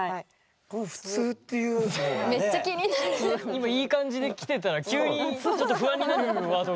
今いい感じできてたら急にちょっと不安になるワードが。